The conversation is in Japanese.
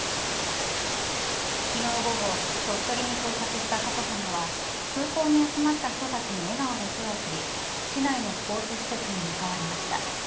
昨日午後、鳥取に到着した佳子さまは空港に集まった人たちに笑顔で手を振り市内のスポーツ施設に向かわれました。